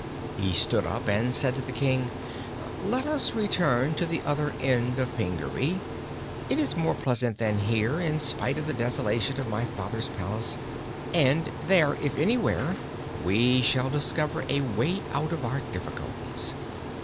He stood up and said to the King: "Let us return to the other end of Pingaree. It is more pleasant than here in spite of the desolation of my father's palace. And there, if anywhere, we shall discover a way out of our difficulties."